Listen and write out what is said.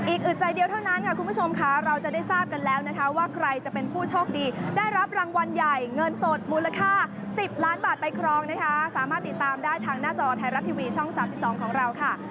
อึดใจเดียวเท่านั้นค่ะคุณผู้ชมค่ะเราจะได้ทราบกันแล้วนะคะว่าใครจะเป็นผู้โชคดีได้รับรางวัลใหญ่เงินสดมูลค่า๑๐ล้านบาทไปครองนะคะสามารถติดตามได้ทางหน้าจอไทยรัฐทีวีช่อง๓๒ของเราค่ะ